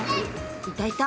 いたいた！